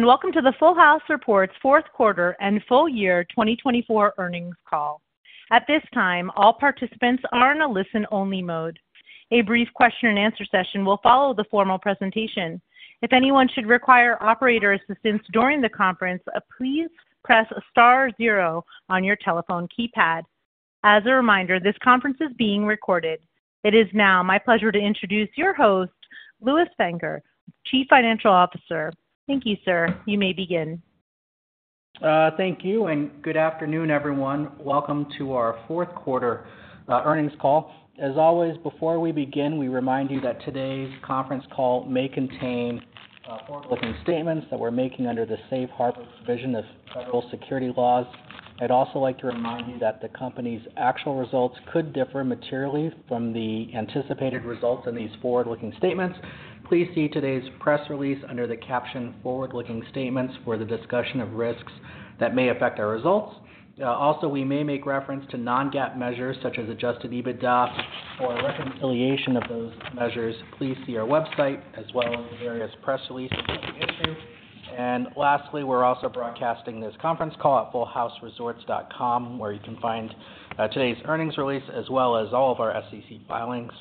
Welcome to the Full House Resorts Fourth Quarter and Full Year 2024 Earnings Call. At this time, all participants are in a listen-only mode. A brief question-and-answer session will follow the formal presentation. If anyone should require operator assistance during the conference, please press star zero on your telephone keypad. As a reminder, this conference is being recorded. It is now my pleasure to introduce your host, Lewis Fanger, Chief Financial Officer. Thank you, sir. You may begin. Thank you, and good afternoon, everyone. Welcome to our Fourth Quarter Earnings Call. As always, before we begin, we remind you that today's conference call may contain forward-looking statements that we're making under the Safe Harbor provision of federal security laws. I'd also like to remind you that the company's actual results could differ materially from the anticipated results in these forward-looking statements. Please see today's press release under the caption "Forward-looking Statements" for the discussion of risks that may affect our results. Also, we may make reference to non-GAAP measures such as adjusted EBITDA or reconciliation of those measures. Please see our website as well as various press releases of the issue. Lastly, we're also broadcasting this conference call at fullhouseresorts.com, where you can find today's earnings release as well as all of our SEC filings.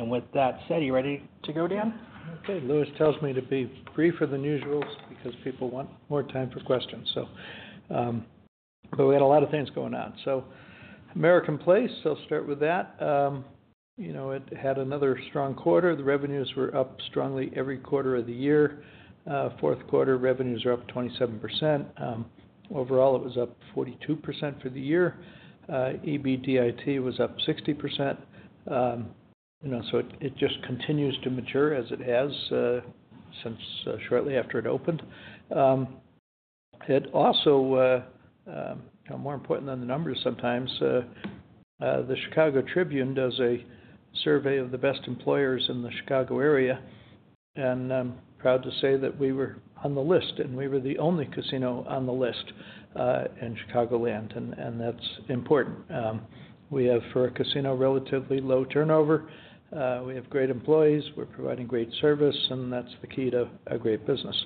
With that said, are you ready to go, Dan? Okay. Lewis tells me to be briefer than usual because people want more time for questions. We had a lot of things going on. American Place, I'll start with that. It had another strong quarter. The revenues were up strongly every quarter of the year. Fourth quarter revenues are up 27%. Overall, it was up 42% for the year. EBITDA was up 60%. It just continues to mature as it has since shortly after it opened. More important than the numbers sometimes, the Chicago Tribune does a survey of the best employers in the Chicago area. I'm proud to say that we were on the list, and we were the only casino on the list in Chicagoland, and that's important. We have, for a casino, relatively low turnover. We have great employees. We're providing great service, and that's the key to a great business.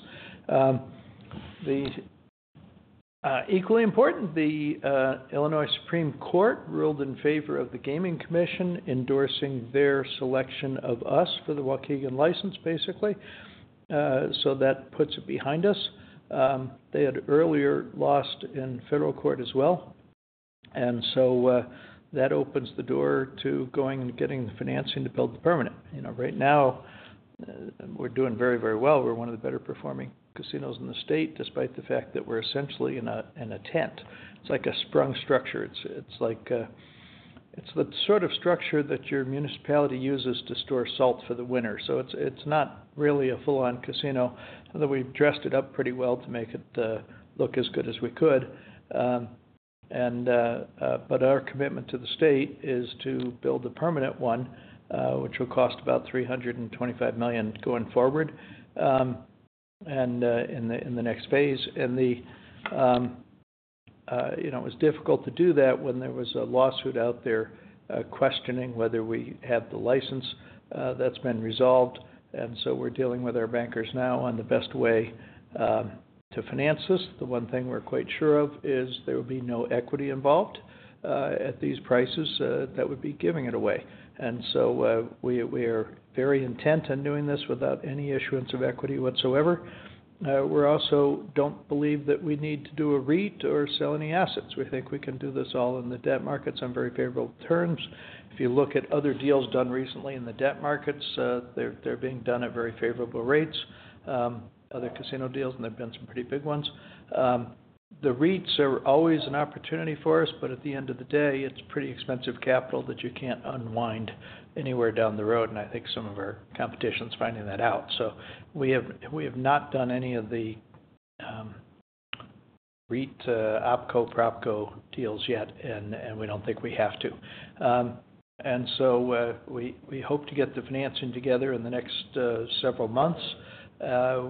Equally important, the Illinois Supreme Court ruled in favor of the Gaming Commission, endorsing their selection of us for the Waukegan license, basically. That puts it behind us. They had earlier lost in federal court as well. That opens the door to going and getting the financing to build the permanent. Right now, we're doing very, very well. We're one of the better-performing casinos in the state, despite the fact that we're essentially in a tent. It's like a sprung structure. It's the sort of structure that your municipality uses to store salt for the winter. It's not really a full-on casino. Although we've dressed it up pretty well to make it look as good as we could. Our commitment to the state is to build a permanent one, which will cost about $325 million going forward in the next phase. It was difficult to do that when there was a lawsuit out there questioning whether we had the license. That has been resolved. We are dealing with our bankers now on the best way to finance this. The one thing we are quite sure of is there will be no equity involved at these prices; that would be giving it away. We are very intent on doing this without any issuance of equity whatsoever. We also do not believe that we need to do a REIT or sell any assets. We think we can do this all in the debt markets on very favorable terms. If you look at other deals done recently in the debt markets, they are being done at very favorable rates. Other casino deals, and there have been some pretty big ones. The REITs are always an opportunity for us, but at the end of the day, it's pretty expensive capital that you can't unwind anywhere down the road. I think some of our competition's finding that out. We have not done any of the REIT, OpCo, PropCo deals yet, and we don't think we have to. We hope to get the financing together in the next several months.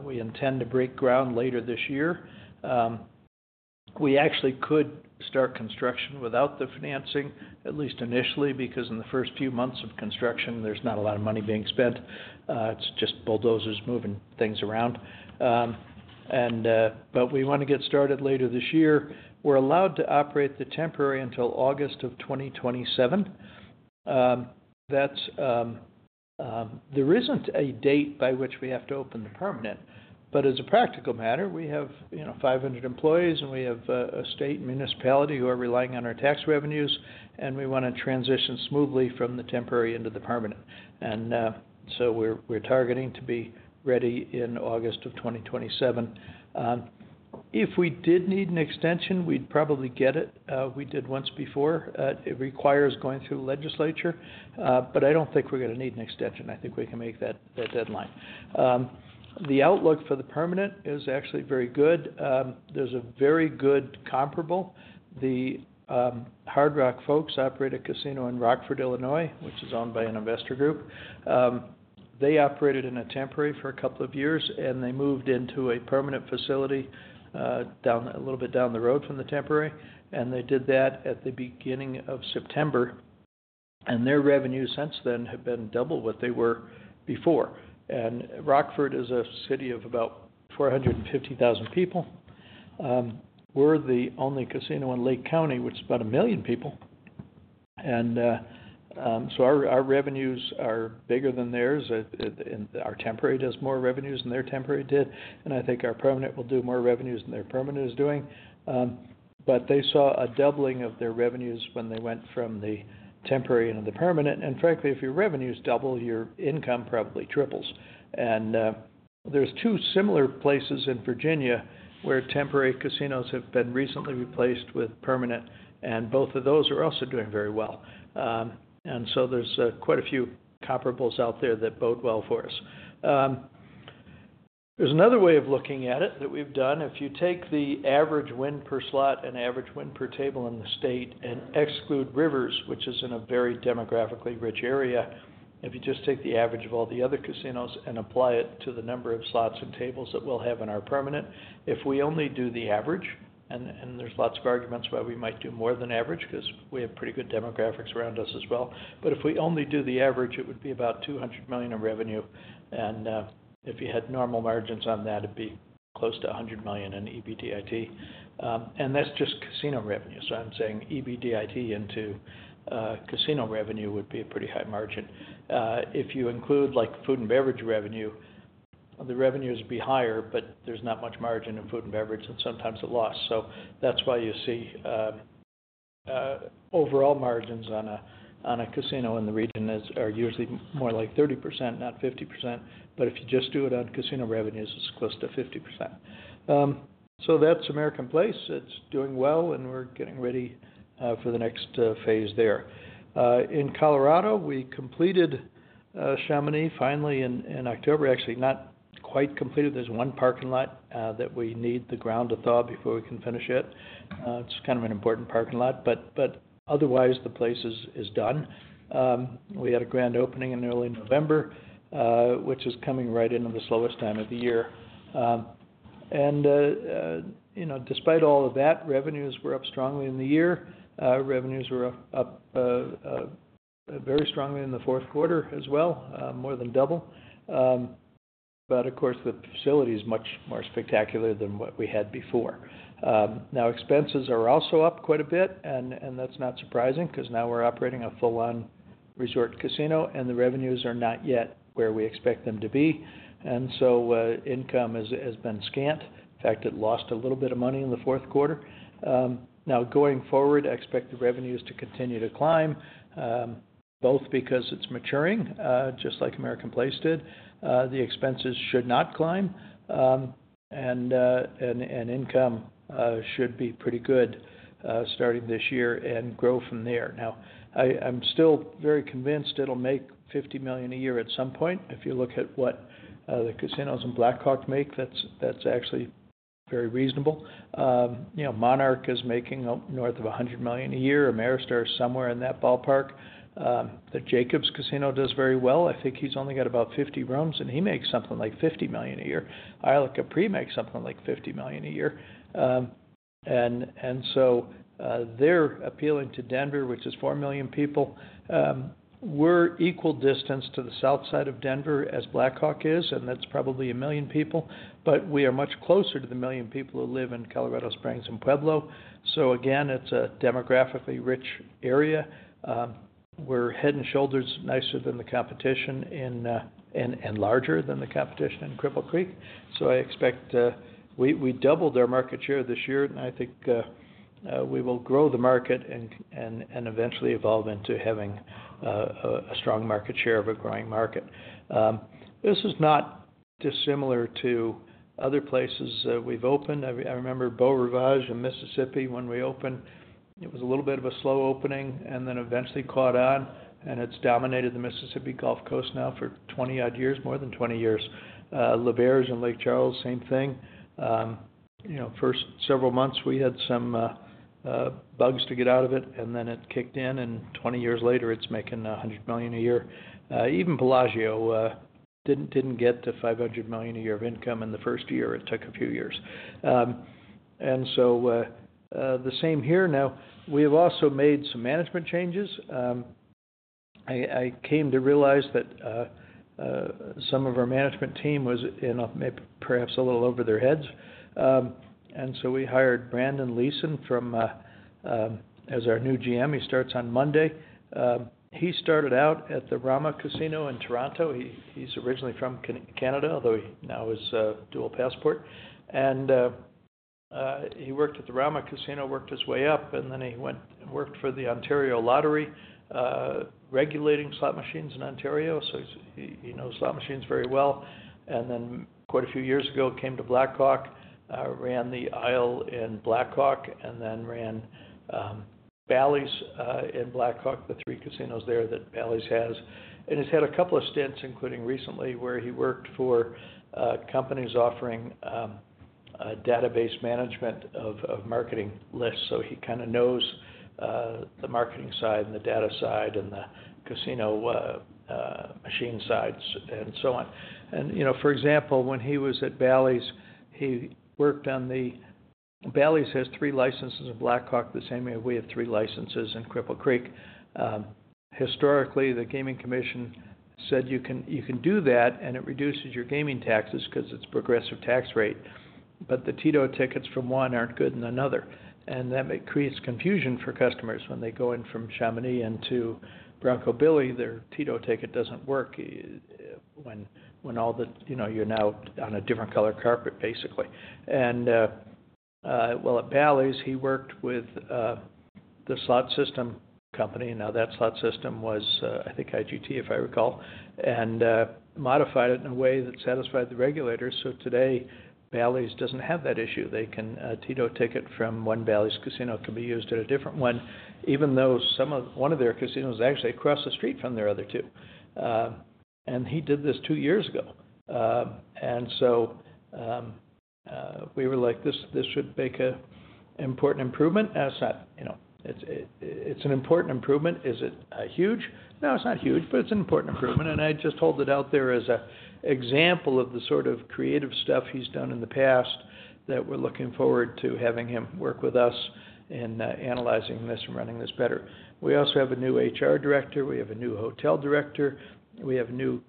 We intend to break ground later this year. We actually could start construction without the financing, at least initially, because in the first few months of construction, there's not a lot of money being spent. It's just bulldozers moving things around. We want to get started later this year. We're allowed to operate the temporary until August of 2027. There isn't a date by which we have to open the permanent. As a practical matter, we have 500 employees, and we have a state and municipality who are relying on our tax revenues, and we want to transition smoothly from the temporary into the permanent. We are targeting to be ready in August of 2027. If we did need an extension, we'd probably get it. We did once before. It requires going through legislature, but I do not think we are going to need an extension. I think we can make that deadline. The outlook for the permanent is actually very good. There is a very good comparable. The Hard Rock folks operate a casino in Rockford, Illinois, which is owned by an investor group. They operated in a temporary for a couple of years, and they moved into a permanent facility a little bit down the road from the temporary. They did that at the beginning of September. Their revenues since then have been double what they were before. Rockford is a city of about 450,000 people. We're the only casino in Lake County, which is about 1 million people. Our revenues are bigger than theirs. Our temporary does more revenues than their temporary did. I think our permanent will do more revenues than their permanent is doing. They saw a doubling of their revenues when they went from the temporary into the permanent. Frankly, if your revenues double, your income probably triples. There are two similar places in Virginia where temporary casinos have been recently replaced with permanent. Both of those are also doing very well. There are quite a few comparables out there that bode well for us. There's another way of looking at it that we've done. If you take the average win per slot and average win per table in the state and exclude Rivers, which is in a very demographically rich area, if you just take the average of all the other casinos and apply it to the number of slots and tables that we'll have in our permanent, if we only do the average—and there's lots of arguments why we might do more than average because we have pretty good demographics around us as well—if we only do the average, it would be about $200 million in revenue. If you had normal margins on that, it'd be close to $100 million in EBITDA. That's just casino revenue. I'm saying EBITDA into casino revenue would be a pretty high margin. If you include food and beverage revenue, the revenues would be higher, but there's not much margin in food and beverage, and sometimes it lost. That is why you see overall margins on a casino in the region are usually more like 30%, not 50%. If you just do it on casino revenues, it's close to 50%. That is American Place. It's doing well, and we're getting ready for the next phase there. In Colorado, we completed Chamonix finally in October. Actually, not quite completed. There's one parking lot that we need the ground to thaw before we can finish it. It's kind of an important parking lot. Otherwise, the place is done. We had a grand opening in early November, which is coming right into the slowest time of the year. Despite all of that, revenues were up strongly in the year. Revenues were up very strongly in the fourth quarter as well, more than double. Of course, the facility is much more spectacular than what we had before. Now, expenses are also up quite a bit, and that's not surprising because now we're operating a full-on resort casino, and the revenues are not yet where we expect them to be. Income has been scant. In fact, it lost a little bit of money in the fourth quarter. Going forward, I expect the revenues to continue to climb, both because it's maturing, just like American Place did. The expenses should not climb, and income should be pretty good starting this year and grow from there. I'm still very convinced it'll make $50 million a year at some point. If you look at what the casinos in Black Hawk make, that's actually very reasonable. Monarch is making north of $100 million a year. Ameristar is somewhere in that ballpark. The Jacobs Casino does very well. I think he's only got about 50 rooms, and he makes something like $50 million a year. Isle of Capri makes something like $50 million a year. They are appealing to Denver, which is 4 million people. We're equal distance to the south side of Denver as Black Hawk is, and that's probably a million people. We are much closer to the million people who live in Colorado Springs and Pueblo. It is a demographically rich area. We're head and shoulders nicer than the competition and larger than the competition in Cripple Creek. I expect we doubled our market share this year, and I think we will grow the market and eventually evolve into having a strong market share of a growing market. This is not dissimilar to other places we've opened. I remember Beau Rivage in Mississippi when we opened. It was a little bit of a slow opening, and then eventually caught on, and it's dominated the Mississippi Gulf Coast now for 20-odd years, more than 20 years. L'Auberge in Lake Charles, same thing. First several months, we had some bugs to get out of it, and then it kicked in, and 20 years later, it's making $100 million a year. Even Bellagio didn't get to $500 million a year of income in the first year. It took a few years. The same here. Now, we have also made some management changes. I came to realize that some of our management team was perhaps a little over their heads. We hired Brandon Leeson as our new GM. He starts on Monday. He started out at the Rama Casino in Toronto. He's originally from Canada, although he now has a dual passport. And he worked at the Rama Casino, worked his way up, and then he worked for the Ontario Lottery, regulating slot machines in Ontario. So he knows slot machines very well. Quite a few years ago, came to Black Hawk, ran the Isle in Black Hawk, and then ran Bally's in Black Hawk, the three casinos there that Bally's has. He's had a couple of stints, including recently, where he worked for companies offering database management of marketing lists. He kind of knows the marketing side and the data side and the casino machine sides and so on. For example, when he was at Bally's, he worked on the Bally's has three licenses in Black Hawk the same way we have three licenses in Cripple Creek. Historically, the Gaming Commission said, "You can do that, and it reduces your gaming taxes because it's a progressive tax rate. But the TITO tickets from one aren't good in another." That creates confusion for customers when they go in from Chamonix into Bronco Billy's. Their TITO ticket doesn't work when all the you're now on a different color carpet, basically. While at Bally's, he worked with the slot system company. That slot system was, I think, IGT, if I recall, and modified it in a way that satisfied the regulators. Today, Bally's doesn't have that issue. A TITO ticket from one Bally's casino can be used at a different one, even though one of their casinos is actually across the street from their other two. He did this two years ago. We were like, "This should make an important improvement." It's not. It's an important improvement. Is it huge? No, it's not huge, but it's an important improvement. I just hold it out there as an example of the sort of creative stuff he's done in the past that we're looking forward to having him work with us in analyzing this and running this better. We also have a new HR director. We have a new hotel director. We have a new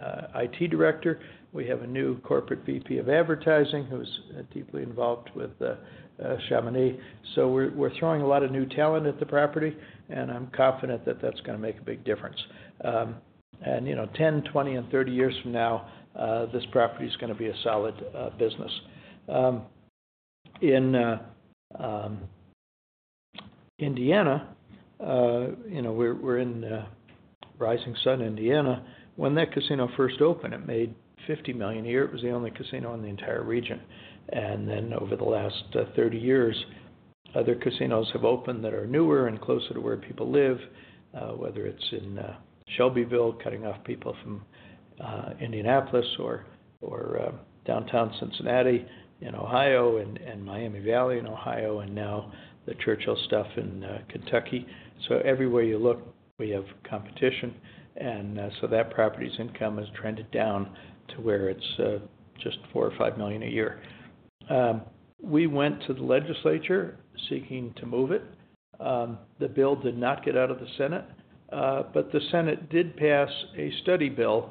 IT director. We have a new corporate VP of advertising who's deeply involved with Chamonix. We are throwing a lot of new talent at the property, and I'm confident that that's going to make a big difference. 10, 20, and 30 years from now, this property is going to be a solid business. In Indiana, we're in Rising Sun, Indiana. When that casino first opened, it made $50 million a year. It was the only casino in the entire region. Over the last 30 years, other casinos have opened that are newer and closer to where people live, whether it is in Shelbyville, cutting off people from Indianapolis or downtown Cincinnati in Ohio and Miami Valley in Ohio, and now the Churchill stuff in Kentucky. Everywhere you look, we have competition. That property's income has trended down to where it is just $4 million-$5 million a year. We went to the legislature seeking to move it. The bill did not get out of the Senate, but the Senate did pass a study bill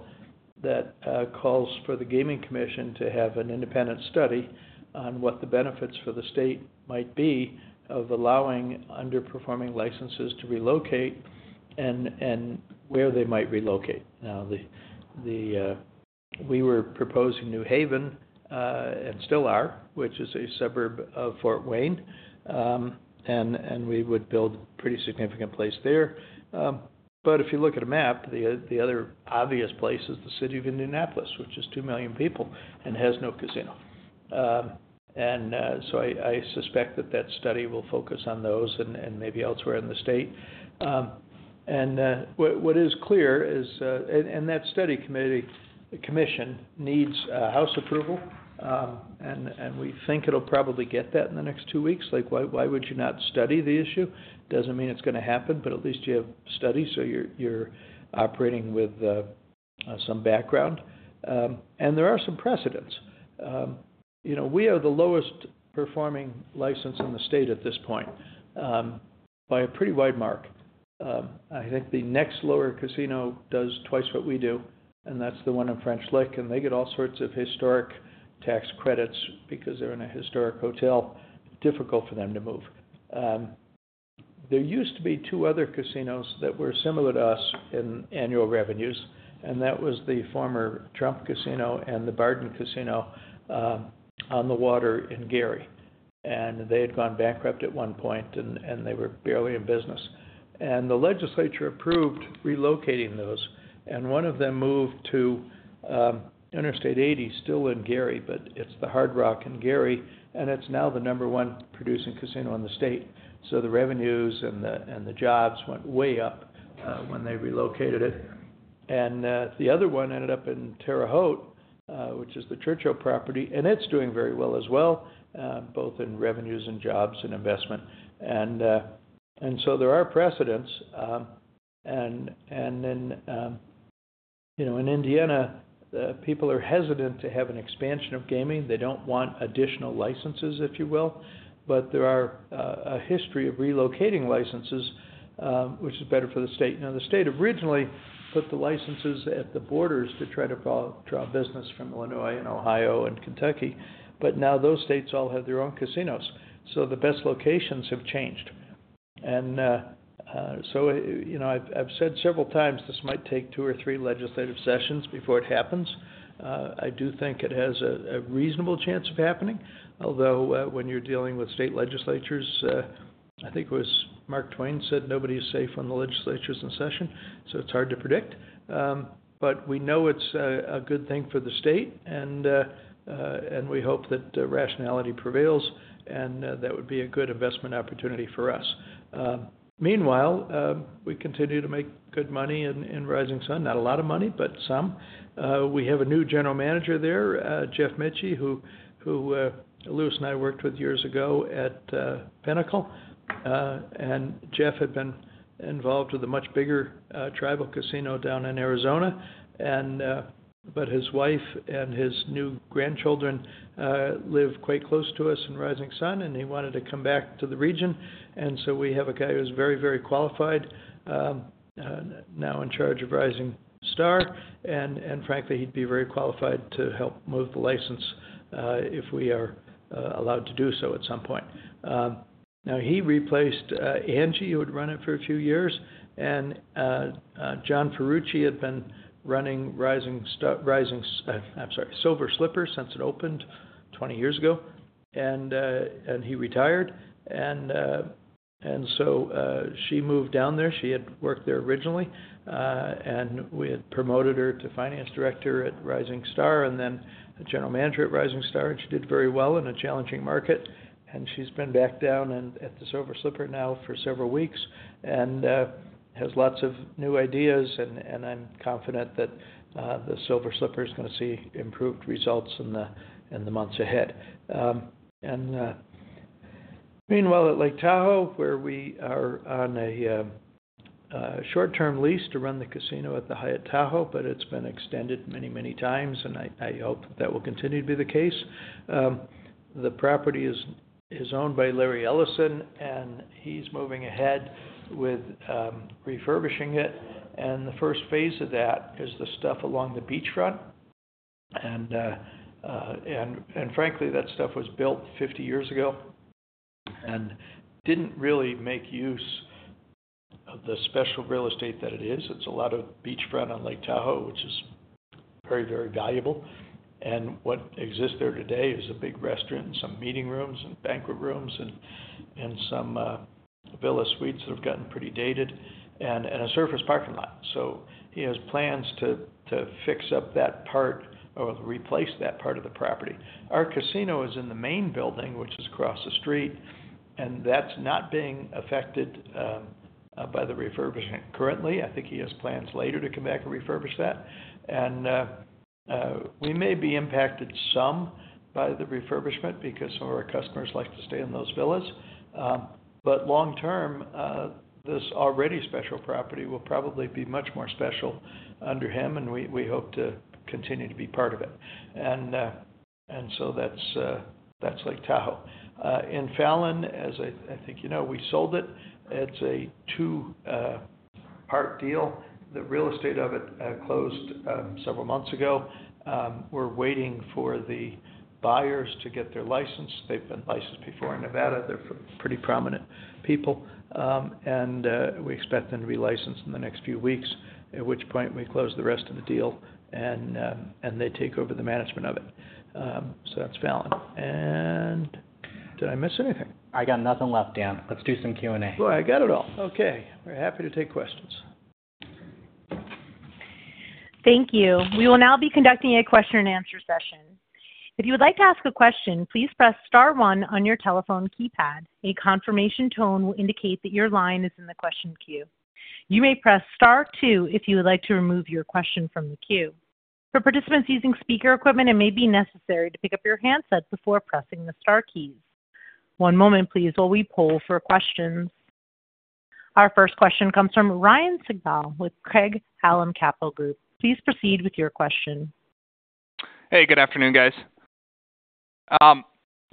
that calls for the Gaming Commission to have an independent study on what the benefits for the state might be of allowing underperforming licenses to relocate and where they might relocate. Now, we were proposing New Haven and still are, which is a suburb of Fort Wayne. We would build a pretty significant place there. If you look at a map, the other obvious place is the city of Indianapolis, which is 2 million people and has no casino. I suspect that that study will focus on those and maybe elsewhere in the state. What is clear is that study commission needs House approval. We think it'll probably get that in the next two weeks. Why would you not study the issue? It doesn't mean it's going to happen, but at least you have studies so you're operating with some background. There are some precedents. We are the lowest performing license in the state at this point by a pretty wide mark. I think the next lower casino does twice what we do, and that's the one in French Lick. They get all sorts of historic tax credits because they're in a historic hotel. Difficult for them to move. There used to be two other casinos that were similar to us in annual revenues, and that was the former Trump Casino and the Barden Casino on the water in Gary. They had gone bankrupt at one point, and they were barely in business. The legislature approved relocating those. One of them moved to Interstate 80, still in Gary, but it's the Hard Rock in Gary, and it's now the number one producing casino in the state. The revenues and the jobs went way up when they relocated it. The other one ended up in Terre Haute, which is the Churchill property, and it's doing very well as well, both in revenues and jobs and investment. There are precedents. In Indiana, people are hesitant to have an expansion of gaming. They do not want additional licenses, if you will. There are a history of relocating licenses, which is better for the state. The state originally put the licenses at the borders to try to draw business from Illinois and Ohio and Kentucky, but now those states all have their own casinos. The best locations have changed. I have said several times this might take two or three legislative sessions before it happens. I do think it has a reasonable chance of happening, although when you're dealing with state legislatures, I think it was Mark Twain said, "Nobody is safe on the legislature's session," so it's hard to predict. We know it's a good thing for the state, and we hope that rationality prevails, and that would be a good investment opportunity for us. Meanwhile, we continue to make good money in Rising Sun. Not a lot of money, but some. We have a new general manager there, Jeff Michie, who Lewis and I worked with years ago at Pinnacle. Jeff had been involved with a much bigger tribal casino down in Arizona. His wife and his new grandchildren live quite close to us in Rising Sun, and he wanted to come back to the region. We have a guy who's very, very qualified now in charge of Rising Star. Frankly, he'd be very qualified to help move the license if we are allowed to do so at some point. He replaced Angie, who had run it for a few years. John Ferrucci had been running Silver Slipper since it opened 20 years ago. He retired. She moved down there. She had worked there originally, and we had promoted her to Finance Director at Rising Star and then General Manager at Rising Star. She did very well in a challenging market. She's been back down at the Silver Slipper now for several weeks and has lots of new ideas. I'm confident that the Silver Slipper is going to see improved results in the months ahead. Meanwhile, at Lake Tahoe, where we are on a short-term lease to run the casino at the Hyatt Tahoe, but it's been extended many, many times, I hope that will continue to be the case. The property is owned by Larry Ellison, and he's moving ahead with refurbishing it. The first phase of that is the stuff along the beachfront. Frankly, that stuff was built 50 years ago and didn't really make use of the special real estate that it is. It's a lot of beachfront on Lake Tahoe, which is very, very valuable. What exists there today is a big restaurant and some meeting rooms and banquet rooms and some villa suites that have gotten pretty dated and a surface parking lot. He has plans to fix up that part or replace that part of the property. Our casino is in the main building, which is across the street, and that's not being affected by the refurbishment currently. I think he has plans later to come back and refurbish that. We may be impacted some by the refurbishment because some of our customers like to stay in those villas. Long term, this already special property will probably be much more special under him, and we hope to continue to be part of it. That is Lake Tahoe. In Fallon, as I think you know, we sold it. It's a two-part deal. The real estate of it closed several months ago. We're waiting for the buyers to get their license. They've been licensed before in Nevada. They're pretty prominent people. We expect them to be licensed in the next few weeks, at which point we close the rest of the deal, and they take over the management of it. That is Fallon. Did I miss anything? I got nothing left, Dan. Let's do some Q&A. I got it all. Okay. We're happy to take questions. Thank you. We will now be conducting a question-and-answer session. If you would like to ask a question, please press Star 1 on your telephone keypad. A confirmation tone will indicate that your line is in the question queue. You may press Star 2 if you would like to remove your question from the queue. For participants using speaker equipment, it may be necessary to pick up your handset before pressing the Star keys. One moment, please, while we poll for questions. Our first question comes from Ryan Sigdahl with Craig-Hallum Capital Group. Please proceed with your question. Hey, good afternoon, guys. I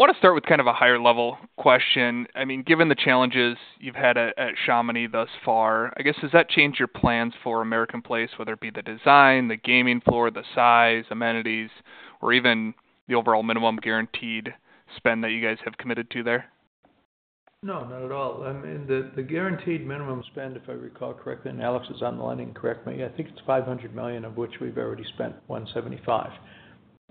want to start with kind of a higher-level question. I mean, given the challenges you've had at Chamonix thus far, I guess, has that changed your plans for American Place, whether it be the design, the gaming floor, the size, amenities, or even the overall minimum guaranteed spend that you guys have committed to there? No, not at all. I mean, the guaranteed minimum spend, if I recall correctly, and Alex is on the line and correct me, I think it's $500 million, of which we've already spent $175 million.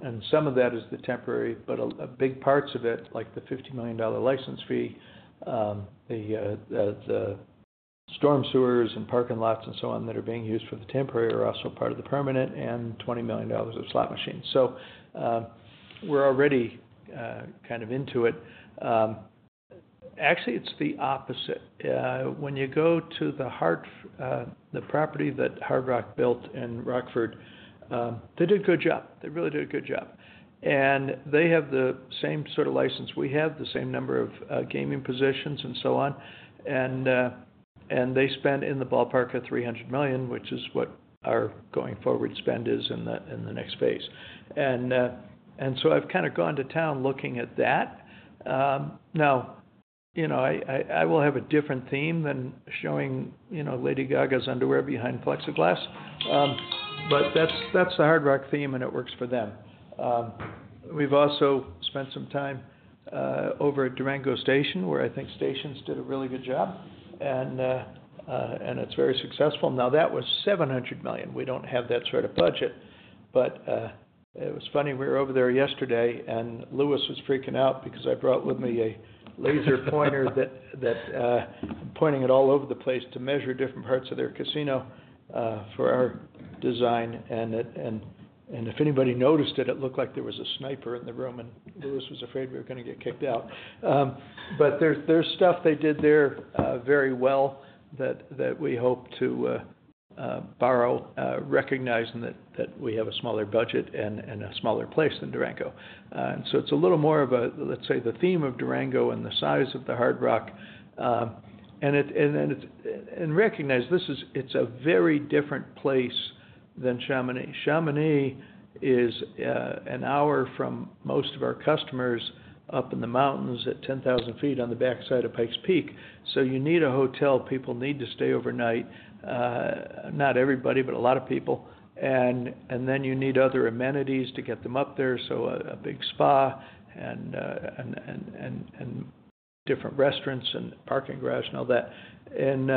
And some of that is the temporary, but big parts of it, like the $50 million license fee, the storm sewers and parking lots and so on that are being used for the temporary are also part of the permanent, and $20 million of slot machines. So we're already kind of into it. Actually, it's the opposite. When you go to the property that Hard Rock built in Rockford, they did a good job. They really did a good job. They have the same sort of license we have, the same number of gaming positions and so on. They spend in the ballpark of $300 million, which is what our going forward spend is in the next phase. I have kind of gone to town looking at that. I will have a different theme than showing Lady Gaga's underwear behind plexiglass, but that is the Hard Rock theme, and it works for them. We have also spent some time over at Durango Station, where I think Stations did a really good job, and it is very successful. That was $700 million. We do not have that sort of budget. It was funny. We were over there yesterday, and Lewis was freaking out because I brought with me a laser pointer that I am pointing all over the place to measure different parts of their casino for our design. If anybody noticed it, it looked like there was a sniper in the room, and Lewis was afraid we were going to get kicked out. There is stuff they did there very well that we hope to borrow, recognizing that we have a smaller budget and a smaller place than Durango. It is a little more of a, let's say, the theme of Durango and the size of the Hard Rock. Recognize this is a very different place than Chamonix. Chamonix is an hour from most of our customers up in the mountains at 10,000 feet on the backside of Pikes Peak. You need a hotel. People need to stay overnight. Not everybody, but a lot of people. You need other amenities to get them up there. A big spa and different restaurants and parking garage and all that. In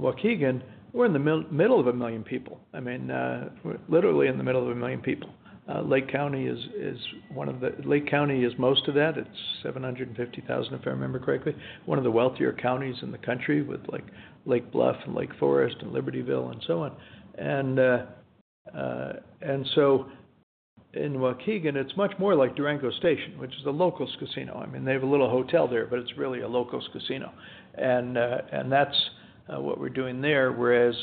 Waukegan, we're in the middle of a million people. I mean, we're literally in the middle of a million people. Lake County is most of that. It's 750,000, if I remember correctly. One of the wealthier counties in the country with Lake Bluff and Lake Forest and Libertyville and so on. In Waukegan, it's much more like Durango Station, which is a local's casino. I mean, they have a little hotel there, but it's really a local's casino. That's what we're doing there. Whereas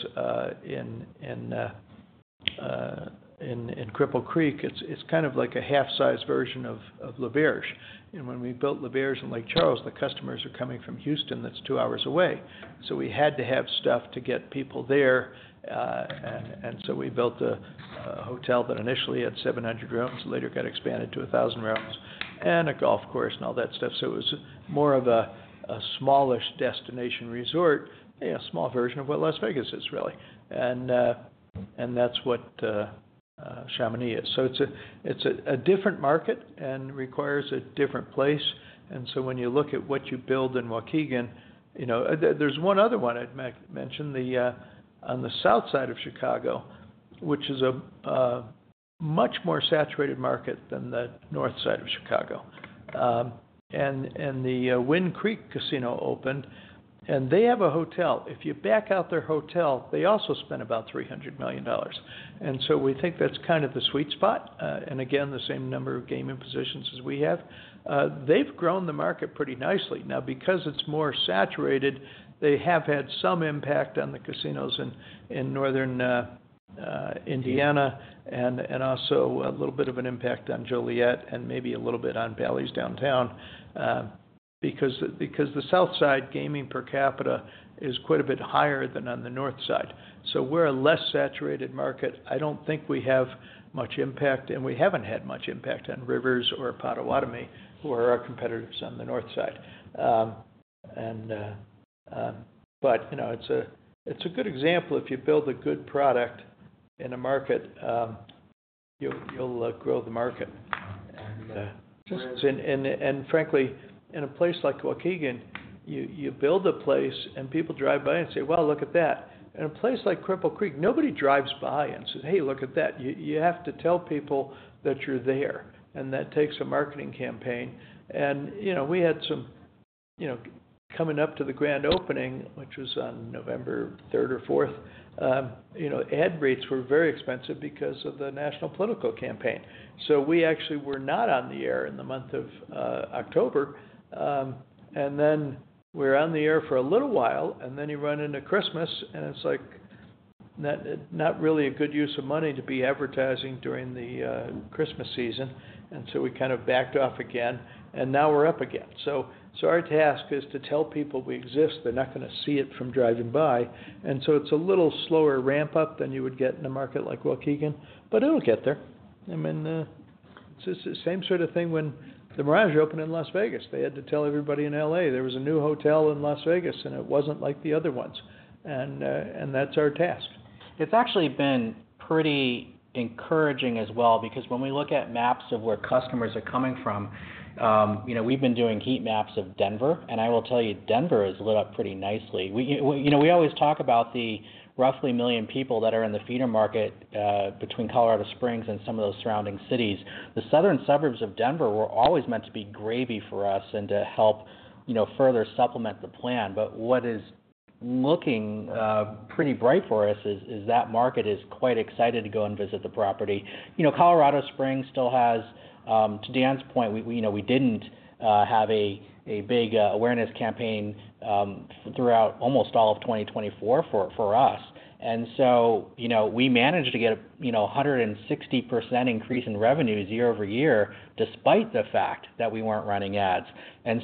in Cripple Creek, it's kind of like a half-sized version of L'Auberge. When we built L'Auberge in Lake Charles, the customers are coming from Houston. That's two hours away. We had to have stuff to get people there. We built a hotel that initially had 700 rooms, later got expanded to 1,000 rooms, and a golf course and all that stuff. It was more of a smallish destination resort, a small version of what Las Vegas is, really. That is what Chamonix is. It is a different market and requires a different place. When you look at what you build in Waukegan, there is one other one I would mention on the south side of Chicago, which is a much more saturated market than the north side of Chicago. The Wind Creek Casino opened, and they have a hotel. If you back out their hotel, they also spend about $300 million. We think that is kind of the sweet spot. Again, the same number of gaming positions as we have. They have grown the market pretty nicely. Now, because it's more saturated, they have had some impact on the casinos in northern Indiana and also a little bit of an impact on Joliet and maybe a little bit on Bally's Downtown because the south side gaming per capita is quite a bit higher than on the north side. We are a less saturated market. I don't think we have much impact, and we haven't had much impact on Rivers or Potawatomi, who are our competitors on the north side. It is a good example. If you build a good product in a market, you'll grow the market. Frankly, in a place like Waukegan, you build a place, and people drive by and say, "Well, look at that." In a place like Cripple Creek, nobody drives by and says, "Hey, look at that." You have to tell people that you're there, and that takes a marketing campaign. We had some coming up to the grand opening, which was on November 3rd or 4th. Ad rates were very expensive because of the national political campaign. We actually were not on the air in the month of October. We were on the air for a little while, and then you run into Christmas, and it is not really a good use of money to be advertising during the Christmas season. We kind of backed off again, and now we are up again. Our task is to tell people we exist. They are not going to see it from driving by. It is a little slower ramp-up than you would get in a market like Waukegan, but it will get there. I mean, it is the same sort of thing when The Mirage opened in Las Vegas. They had to tell everybody in LA there was a new hotel in Las Vegas, and it was not like the other ones. That is our task. It's actually been pretty encouraging as well because when we look at maps of where customers are coming from, we've been doing heat maps of Denver. I will tell you, Denver has lit up pretty nicely. We always talk about the roughly million people that are in the feeder market between Colorado Springs and some of those surrounding cities. The southern suburbs of Denver were always meant to be gravy for us and to help further supplement the plan. What is looking pretty bright for us is that market is quite excited to go and visit the property. Colorado Springs still has, to Dan's point, we didn't have a big awareness campaign throughout almost all of 2024 for us. We managed to get a 160% increase in revenue year-over-year despite the fact that we weren't running ads.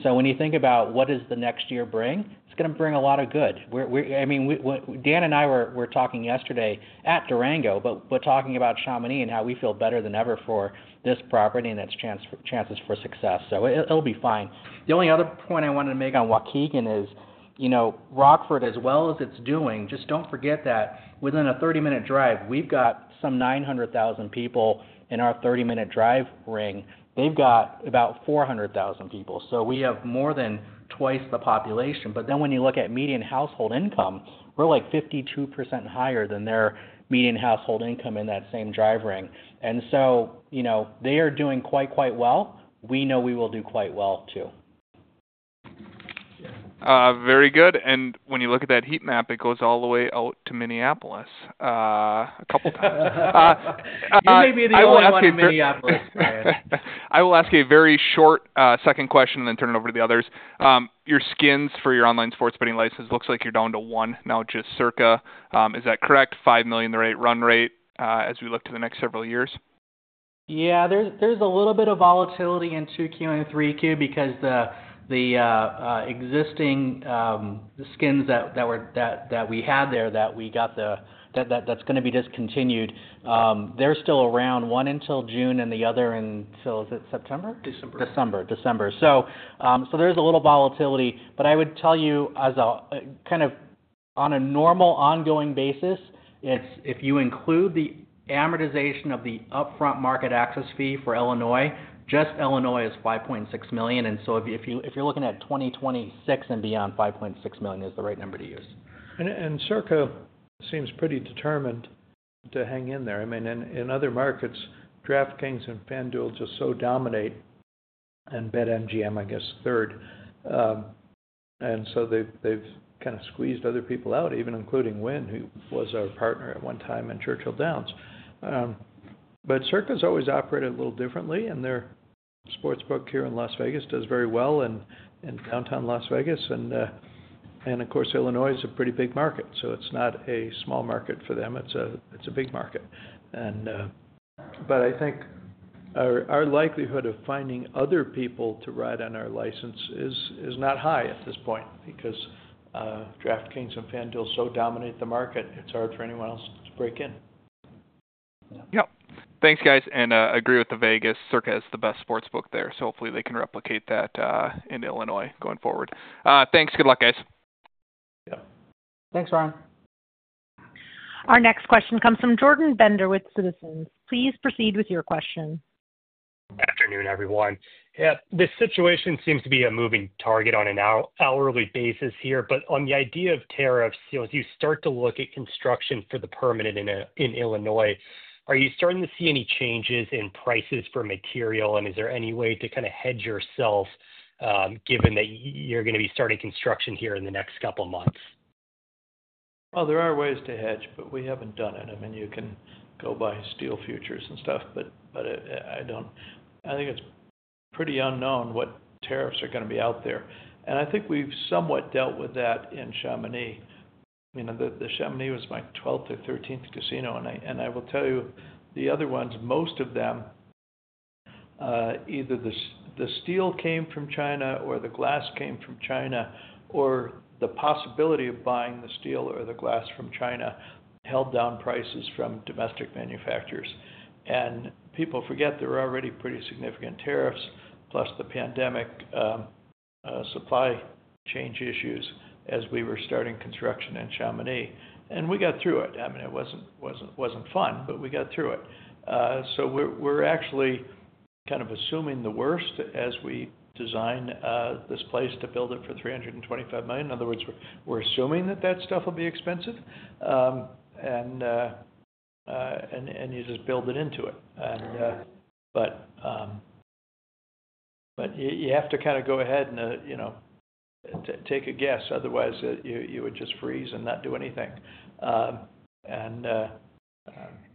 When you think about what does the next year bring, it's going to bring a lot of good. I mean, Dan and I were talking yesterday at Durango, but talking about Chamonix and how we feel better than ever for this property and its chances for success. It will be fine. The only other point I wanted to make on Waukegan is Rockford, as well as it's doing, just do not forget that within a 30-minute drive, we've got some 900,000 people in our 30-minute drive ring. They've got about 400,000 people. We have more than twice the population. When you look at median household income, we're like 52% higher than their median household income in that same drive ring. They are doing quite, quite well. We know we will do quite well too. Very good. When you look at that heat map, it goes all the way out to Minneapolis a couple of times. You may be the only one from Minneapolis, Dan. I will ask you a very short second question and then turn it over to the others. Your skins for your online sports betting license looks like you're down to one now, just Circa. Is that correct? $5 million the right run rate as we look to the next several years? Yeah. There's a little bit of volatility in 2Q and 3Q because the existing skins that we had there that we got that's going to be discontinued, they're still around, one until June and the other until, is it September? December. December. There is a little volatility. I would tell you, kind of on a normal ongoing basis, if you include the amortization of the upfront market access fee for Illinois, just Illinois is $5.6 million. If you are looking at 2026 and beyond, $5.6 million is the right number to use. Circa seems pretty determined to hang in there. I mean, in other markets, DraftKings and FanDuel just so dominate and BetMGM, I guess, third. They have kind of squeezed other people out, even including Wynn, who was our partner at one time in Churchill Downs. Circa has always operated a little differently, and their sports book here in Las Vegas does very well in downtown Las Vegas. Of course, Illinois is a pretty big market. It is not a small market for them. It is a big market. I think our likelihood of finding other people to ride on our license is not high at this point because DraftKings and FanDuel so dominate the market, it is hard for anyone else to break in. Thanks, guys. I agree with the Vegas. Circa is the best sports book there. Hopefully, they can replicate that in Illinois going forward. Thanks. Good luck, guys. Yep. Thanks, Ryan. Our next question comes from Jordan Bender with Citizens. Please proceed with your question. Good afternoon, everyone. This situation seems to be a moving target on an hourly basis here. On the idea of tariffs, as you start to look at construction for the permanent in Illinois, are you starting to see any changes in prices for material? Is there any way to kind of hedge yourself given that you're going to be starting construction here in the next couple of months? There are ways to hedge, but we haven't done it. I mean, you can go buy steel futures and stuff, but I think it's pretty unknown what tariffs are going to be out there. I think we've somewhat dealt with that in Chamonix. The Chamonix was my 12th or 13th casino. I will tell you, the other ones, most of them, either the steel came from China or the glass came from China, or the possibility of buying the steel or the glass from China held down prices from domestic manufacturers. People forget there were already pretty significant tariffs, plus the pandemic supply chain issues as we were starting construction in Chamonix. We got through it. I mean, it wasn't fun, but we got through it. We're actually kind of assuming the worst as we design this place to build it for $325 million. In other words, we're assuming that that stuff will be expensive, and you just build it into it. You have to kind of go ahead and take a guess. Otherwise, you would just freeze and not do anything.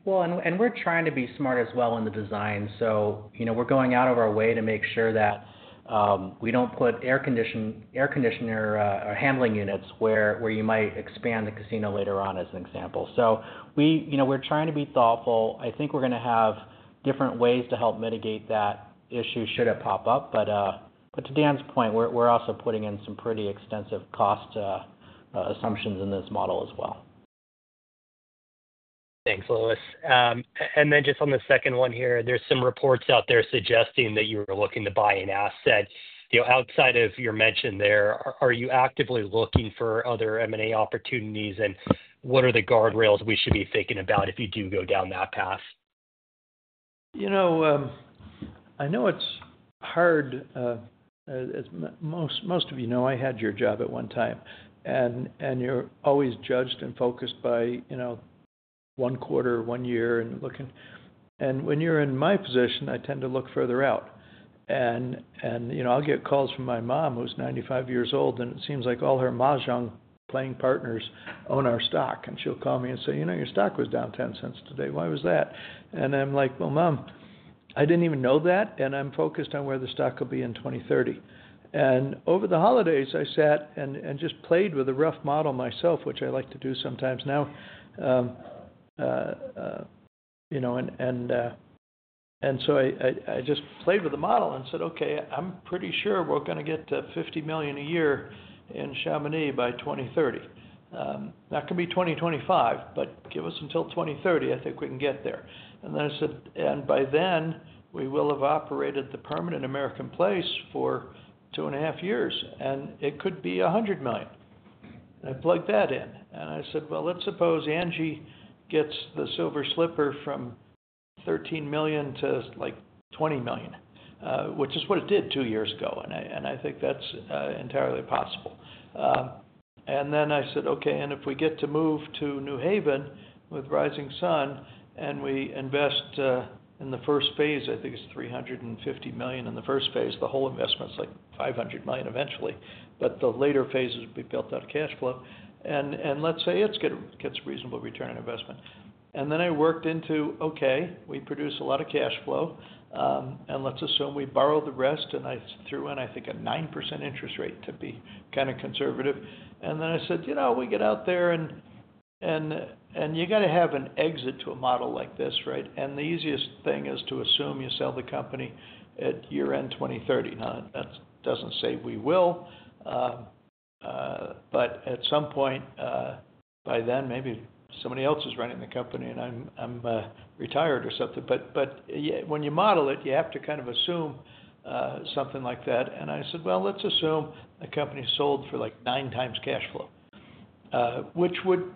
We're trying to be smart as well in the design. We're going out of our way to make sure that we don't put air conditioner handling units where you might expand the casino later on, as an example. We're trying to be thoughtful. I think we're going to have different ways to help mitigate that issue should it pop up. To Dan's point, we're also putting in some pretty extensive cost assumptions in this model as well. Thanks, Lewis. Then just on the second one here, there's some reports out there suggesting that you were looking to buy an asset. Outside of your mention there, are you actively looking for other M&A opportunities, and what are the guardrails we should be thinking about if you do go down that path? I know it's hard. Most of you know I had your job at one time. You're always judged and focused by one quarter, one year. When you're in my position, I tend to look further out. I get calls from my mom, who's 95 years old, and it seems like all her mahjong playing partners own our stock. She'll call me and say, "You know, your stock was down $0.10 today. Why was that?" I'm like, "Well, mom, I didn't even know that, and I'm focused on where the stock will be in 2030." Over the holidays, I sat and just played with a rough model myself, which I like to do sometimes now. I just played with the model and said, "Okay, I'm pretty sure we're going to get to $50 million a year in Chamonix by 2030. That could be 2025, but give us until 2030. I think we can get there." I said, "By then, we will have operated the permanent American Place for two and a half years, and it could be $100 million." I plugged that in. I said, "Let's suppose Angie gets the Silver Slipper from $13 million to like $20 million," which is what it did two years ago. I think that's entirely possible. I said, "If we get to move to New Haven with Rising Star and we invest in the first phase, I think it's $350 million in the first phase. The whole investment's like $500 million eventually. The later phases will be built out of cash flow. Let's say it gets reasonable return on investment. I worked into, "Okay, we produce a lot of cash flow, and let's assume we borrow the rest." I threw in, I think, a 9% interest rate to be kind of conservative. I said, "You know, we get out there, and you got to have an exit to a model like this, right? The easiest thing is to assume you sell the company at year-end 2030." That doesn't say we will. At some point by then, maybe somebody else is running the company, and I'm retired or something. When you model it, you have to kind of assume something like that. I said, "Let's assume the company sold for like nine times cash flow," which would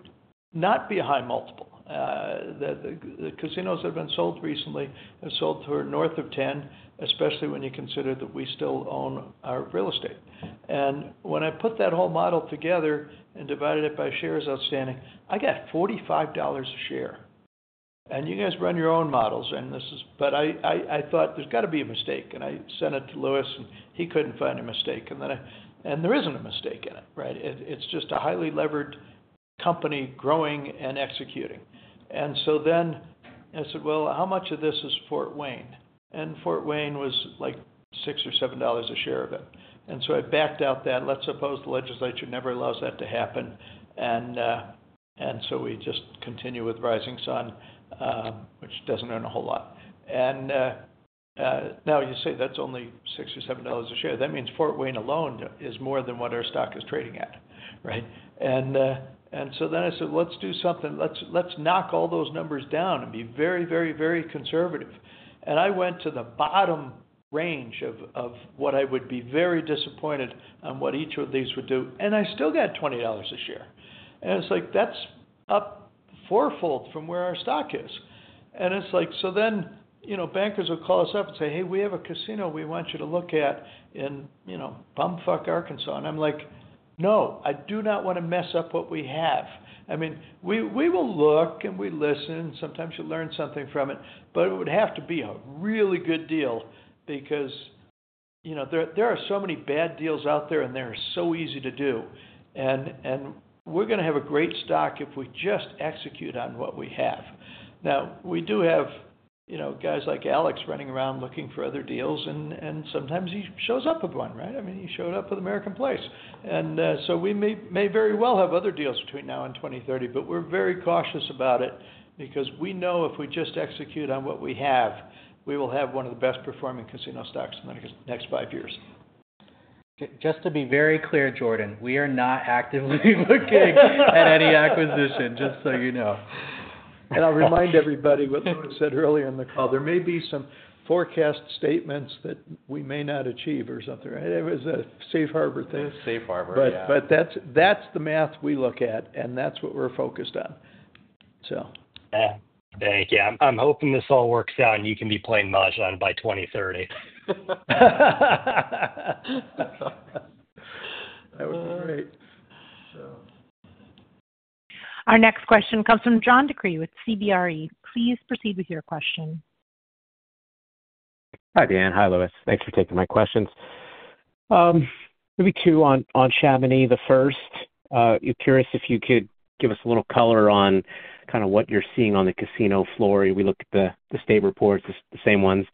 not be a high multiple. The casinos that have been sold recently have sold for north of 10, especially when you consider that we still own our real estate. When I put that whole model together and divided it by shares outstanding, I got $45 a share. You guys run your own models. I thought there's got to be a mistake. I sent it to Lewis, and he couldn't find a mistake. There isn't a mistake in it, right? It's just a highly levered company growing and executing. I said, "How much of this is Fort Wayne?" Fort Wayne was like $6 or $7 a share of it. I backed out that. Let's suppose the legislature never allows that to happen. We just continue with Rising Sun, which doesn't earn a whole lot. You say that's only $6 or $7 a share. That means Fort Wayne alone is more than what our stock is trading at, right? I said, "Let's do something. Let's knock all those numbers down and be very, very, very conservative." I went to the bottom range of what I would be very disappointed on what each of these would do. I still got $20 a share. It's like, "That's up fourfold from where our stock is." It's like, "Then bankers will call us up and say, 'Hey, we have a casino we want you to look at in bumfuck Arkansas.'" I'm like, "No, I do not want to mess up what we have." I mean, we will look and we listen, and sometimes you learn something from it. It would have to be a really good deal because there are so many bad deals out there, and they're so easy to do. We're going to have a great stock if we just execute on what we have. Now, we do have guys like Alex running around looking for other deals, and sometimes he shows up with one, right? I mean, he showed up with American Place. We may very well have other deals between now and 2030, but we're very cautious about it because we know if we just execute on what we have, we will have one of the best-performing casino stocks in the next five years. Just to be very clear, Jordan, we are not actively looking at any acquisition, just so you know. I'll remind everybody what Lewis said earlier in the call. There may be some forecast statements that we may not achieve or something. It was a safe harbor thing. It was safe harbor, yeah. That's the math we look at, and that's what we're focused on, so. Thank you. I'm hoping this all works out and you can be playing mahjong by 2030. That would be great. Our next question comes from John DeCree with CBRE. Please proceed with your question. Hi, Dan. Hi, Lewis. Thanks for taking my questions. Maybe two on Chamonix. The first, curious if you could give us a little color on kind of what you're seeing on the casino floor. We looked at the state reports, the same ones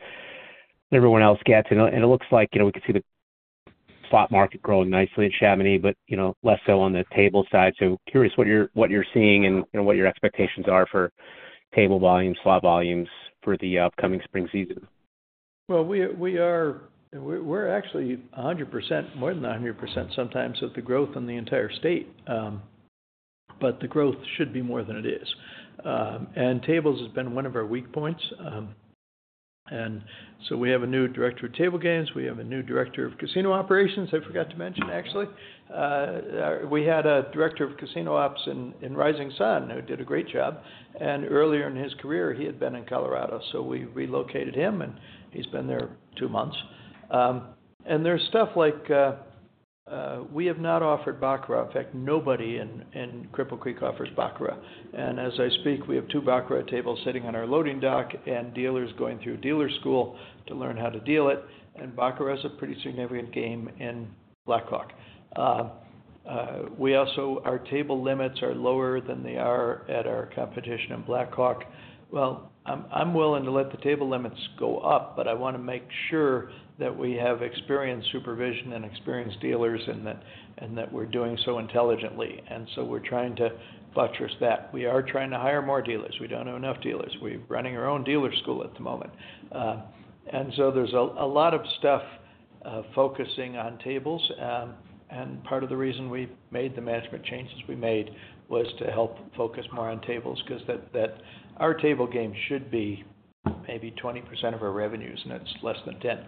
everyone else gets. It looks like we could see the slot market growing nicely at Chamonix, but less so on the table side. Curious what you're seeing and what your expectations are for table volumes, slot volumes for the upcoming spring season. We're actually 100%, more than 100% sometimes of the growth in the entire state. The growth should be more than it is. Tables has been one of our weak points. We have a new Director of Table Games. We have a new Director of Casino Operations. I forgot to mention, actually. We had a Director of Casino Operations in Rising Sun who did a great job. Earlier in his career, he had been in Colorado. We relocated him, and he's been there two months. There's stuff like we have not offered baccarat. In fact, nobody in Cripple Creek offers baccarat. As I speak, we have two baccarat tables sitting on our loading dock, and dealers going through dealer school to learn how to deal it. Baccarat is a pretty significant game in Black Hawk. Our table limits are lower than they are at our competition in Black Hawk. I am willing to let the table limits go up, but I want to make sure that we have experienced supervision and experienced dealers and that we are doing so intelligently. We are trying to buttress that. We are trying to hire more dealers. We do not have enough dealers. We are running our own dealer school at the moment. There is a lot of stuff focusing on tables. Part of the reason we made the management changes we made was to help focus more on tables because our table game should be maybe 20% of our revenues, and it is less than 10%.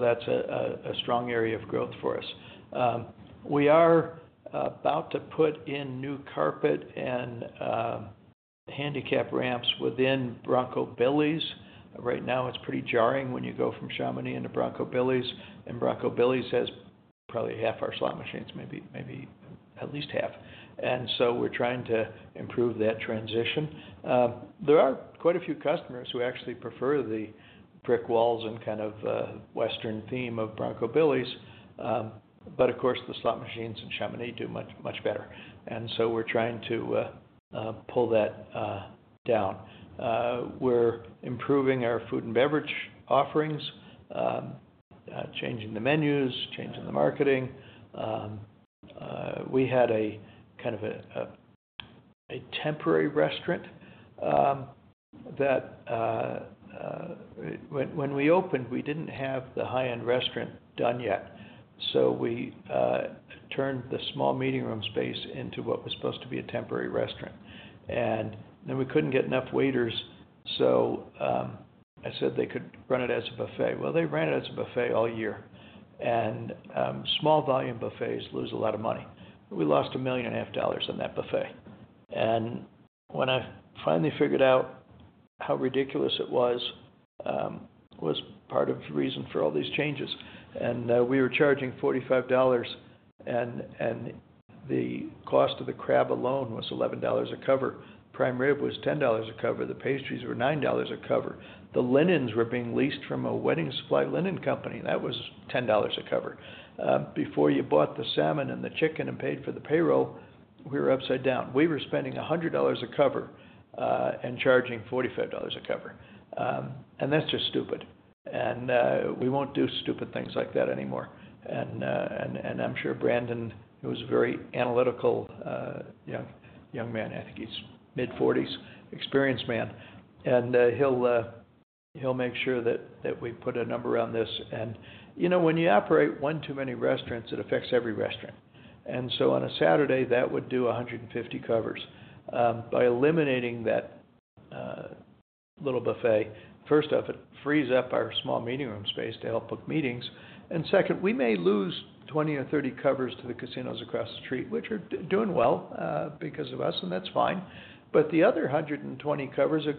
That is a strong area of growth for us. We are about to put in new carpet and handicap ramps within Bronco Billy's. Right now, it's pretty jarring when you go from Chamonix into Bronco Billy's. Bronco Billy's has probably half our slot machines, maybe at least half. We're trying to improve that transition. There are quite a few customers who actually prefer the brick walls and kind of Western theme of Bronco Billy's. Of course, the slot machines in Chamonix do much better. We're trying to pull that down. We're improving our food and beverage offerings, changing the menus, changing the marketing. We had a kind of a temporary restaurant that when we opened, we didn't have the high-end restaurant done yet. We turned the small meeting room space into what was supposed to be a temporary restaurant. We couldn't get enough waiters. I said they could run it as a buffet. They ran it as a buffet all year. Small volume buffets lose a lot of money. We lost $1,500,000 on that buffet. When I finally figured out how ridiculous it was, it was part of the reason for all these changes. We were charging $45, and the cost of the crab alone was $11 a cover. Prime rib was $10 a cover. The pastries were $9 a cover. The linens were being leased from a wedding supply linen company. That was $10 a cover. Before you bought the salmon and the chicken and paid for the payroll, we were upside down. We were spending $100 a cover and charging $45 a cover. That is just stupid. We will not do stupid things like that anymore. I am sure Brandon, who is a very analytical young man, I think he is mid-40s, experienced man. He'll make sure that we put a number on this. When you operate one too many restaurants, it affects every restaurant. On a Saturday, that would do 150 covers. By eliminating that little buffet, first off, it frees up our small meeting room space to help book meetings. Second, we may lose 20 or 30 covers to the casinos across the street, which are doing well because of us, and that's fine. The other 120 covers are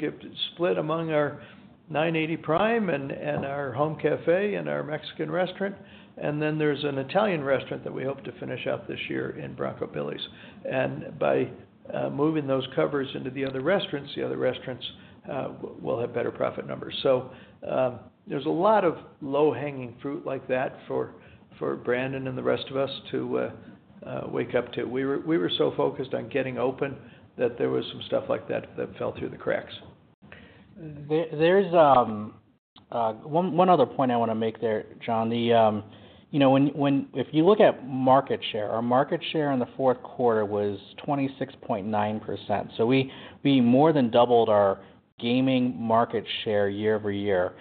split among our 980 Prime and our home cafe and our Mexican restaurant. There is an Italian restaurant that we hope to finish out this year in Bronco Billy's. By moving those covers into the other restaurants, the other restaurants will have better profit numbers. There is a lot of low-hanging fruit like that for Brandon and the rest of us to wake up to. We were so focused on getting open that there was some stuff like that that fell through the cracks. There's one other point I want to make there, John. If you look at market share, our market share in the fourth quarter was 26.9%. We more than doubled our gaming market share year-over-year.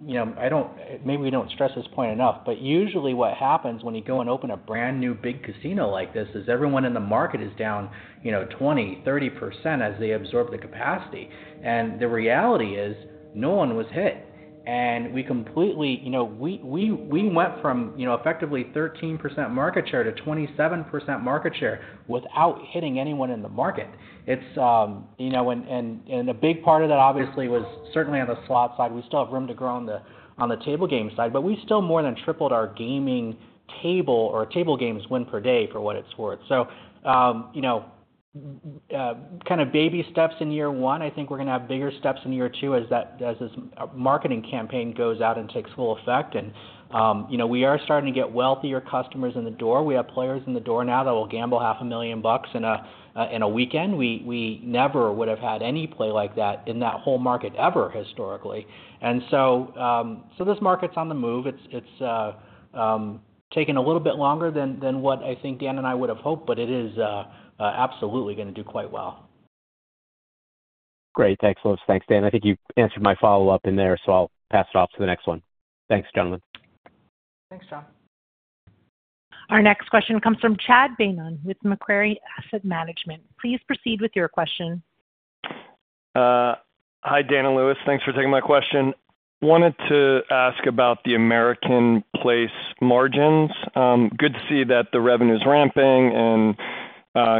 Maybe we do not stress this point enough, but usually what happens when you go and open a brand new big casino like this is everyone in the market is down 20-30% as they absorb the capacity. The reality is no one was hit. We completely went from effectively 13% market share to 27% market share without hitting anyone in the market. A big part of that, obviously, was certainly on the slot side. We still have room to grow on the table game side, but we still more than tripled our gaming table or table games win per day for what it is worth. Kind of baby steps in year one, I think we're going to have bigger steps in year two as this marketing campaign goes out and takes full effect. We are starting to get wealthier customers in the door. We have players in the door now that will gamble $500,000 in a weekend. We never would have had any play like that in that whole market ever historically. This market's on the move. It's taken a little bit longer than what I think Dan and I would have hoped, but it is absolutely going to do quite well. Great. Thanks, Lewis. Thanks, Dan. I think you answered my follow-up in there, so I'll pass it off to the next one. Thanks, gentlemen. Thanks, John. Our next question comes from Chad Beynon with Macquarie Asset Management. Please proceed with your question. Hi, Dan and Lewis. Thanks for taking my question. Wanted to ask about the American Place margins. Good to see that the revenue is ramping, and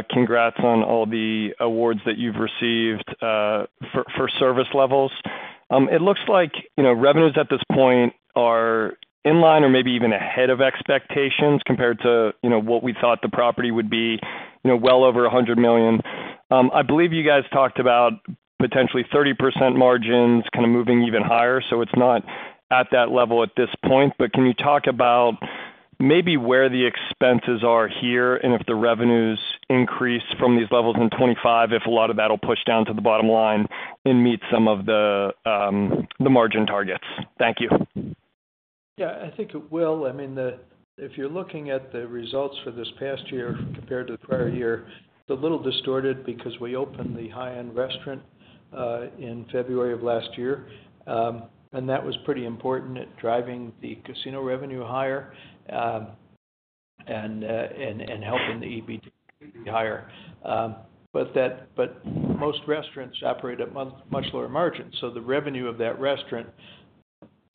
congrats on all the awards that you've received for service levels. It looks like revenues at this point are in line or maybe even ahead of expectations compared to what we thought the property would be, well over $100 million. I believe you guys talked about potentially 30% margins kind of moving even higher, so it's not at that level at this point. Can you talk about maybe where the expenses are here and if the revenues increase from these levels in 2025, if a lot of that will push down to the bottom line and meet some of the margin targets? Thank you. Yeah, I think it will. I mean, if you're looking at the results for this past year compared to the prior year, it's a little distorted because we opened the high-end restaurant in February of last year. That was pretty important at driving the casino revenue higher and helping the EBITDA be higher. Most restaurants operate at much lower margins. The revenue of that restaurant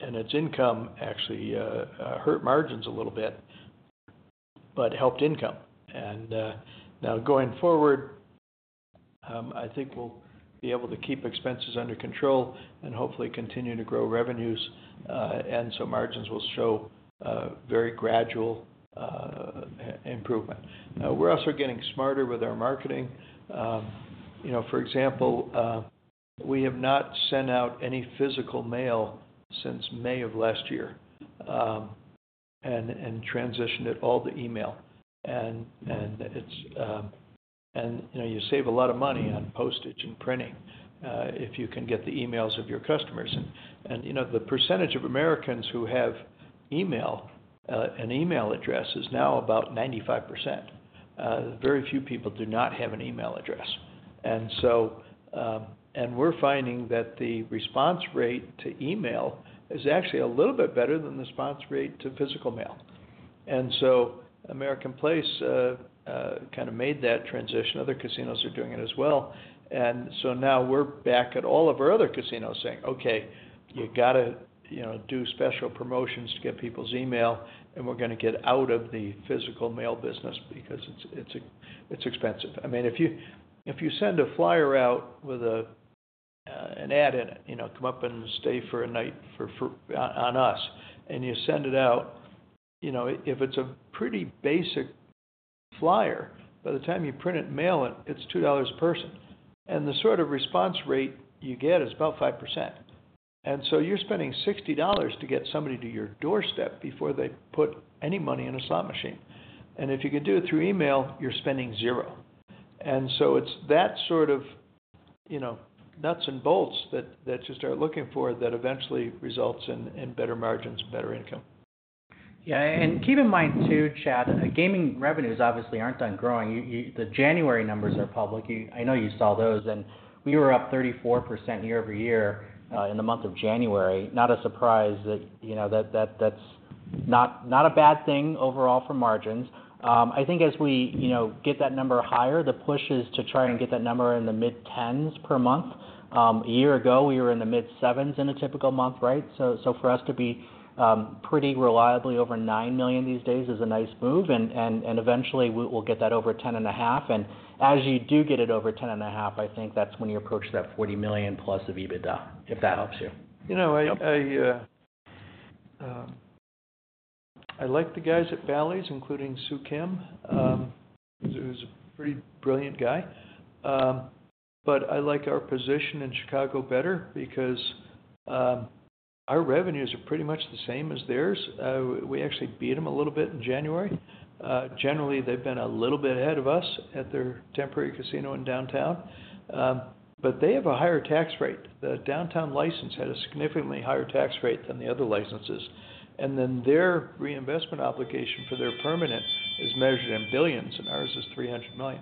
and its income actually hurt margins a little bit but helped income. Now going forward, I think we'll be able to keep expenses under control and hopefully continue to grow revenues. Margins will show very gradual improvement. We're also getting smarter with our marketing. For example, we have not sent out any physical mail since May of last year and transitioned it all to email. You save a lot of money on postage and printing if you can get the emails of your customers. The percentage of Americans who have email and email addresses is now about 95%. Very few people do not have an email address. We are finding that the response rate to email is actually a little bit better than the response rate to physical mail. American Place kind of made that transition. Other casinos are doing it as well. Now we're back at all of our other casinos saying, "Okay, you got to do special promotions to get people's email, and we're going to get out of the physical mail business because it's expensive." I mean, if you send a flyer out with an ad in it, "Come up and stay for a night on us," and you send it out, if it's a pretty basic flyer, by the time you print it and mail it, it's $2 a person. The sort of response rate you get is about 5%. You're spending $60 to get somebody to your doorstep before they put any money in a slot machine. If you can do it through email, you're spending zero. It's that sort of nuts and bolts that just are looking for that eventually results in better margins, better income. Yeah. Keep in mind too, Chad, gaming revenues obviously are not done growing. The January numbers are public. I know you saw those. We were up 34% year-over-year in the month of January. Not a surprise that that is not a bad thing overall for margins. I think as we get that number higher, the push is to try and get that number in the mid-10s per month. A year ago, we were in the mid-7s in a typical month, right? For us to be pretty reliably over $9 million these days is a nice move. Eventually, we will get that over $10.5 million. As you do get it over $10.5 million, I think that is when you approach that $40 million plus of EBITDA, if that helps you. You know, I like the guys at Bally's, including Soo Kim, who's a pretty brilliant guy. I like our position in Chicago better because our revenues are pretty much the same as theirs. We actually beat them a little bit in January. Generally, they've been a little bit ahead of us at their temporary casino in downtown. They have a higher tax rate. The downtown license had a significantly higher tax rate than the other licenses. Their reinvestment obligation for their permanent is measured in billions, and ours is $300 million.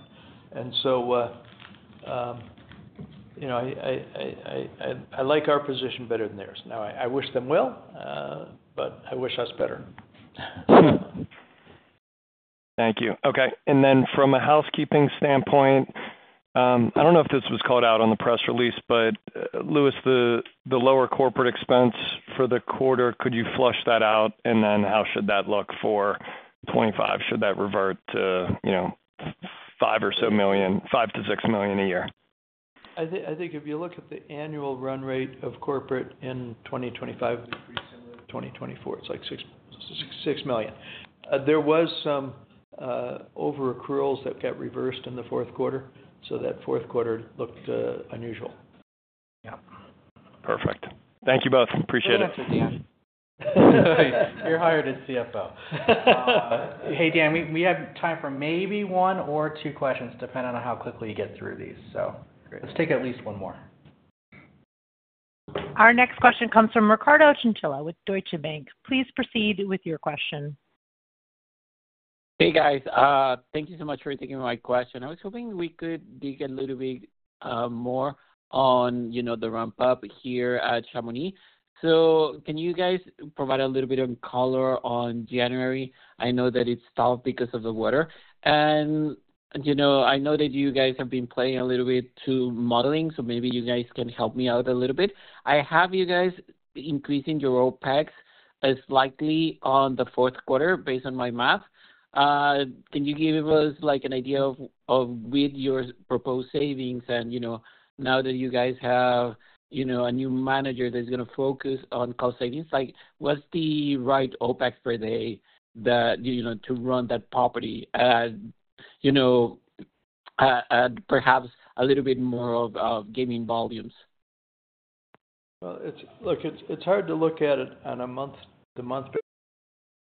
I like our position better than theirs. I wish them well, but I wish us better. Thank you. Okay. From a housekeeping standpoint, I do not know if this was called out on the press release, but Lewis, the lower corporate expense for the quarter, could you flush that out? How should that look for 2025? Should that revert to $5 million or so, $5 million-$6 million a year? I think if you look at the annual run rate of corporate in 2025, it's pretty similar to 2024. It's like $6 million. There were some over-accruals that got reversed in the fourth quarter, so that fourth quarter looked unusual. Yep. Perfect. Thank you both. Appreciate it. Thanks, Dan. You're hired as CFO. Hey, Dan, we have time for maybe one or two questions depending on how quickly you get through these. Let's take at least one more. Our next question comes from Ricardo Chinchilla with Deutsche Bank. Please proceed with your question. Hey, guys. Thank you so much for taking my question. I was hoping we could dig a little bit more on the ramp-up here at Chamonix. Can you guys provide a little bit of color on January? I know that it stalled because of the water. I know that you guys have been playing a little bit to modeling, so maybe you guys can help me out a little bit. I have you guys increasing your OpEx, likely on the fourth quarter based on my math. Can you give us an idea of, with your proposed savings and now that you guys have a new manager that's going to focus on cost savings, what's the right OpEx per day to run that property and perhaps a little bit more of gaming volumes? Look, it's hard to look at it on a month-to-month